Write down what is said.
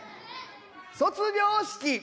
「卒業式」。